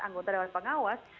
anggota dewan pengawas